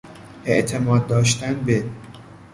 اعتماد داشتن به